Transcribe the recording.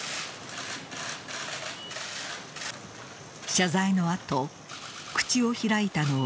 謝罪の後、口を開いたのは。